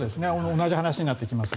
同じ話になってきます。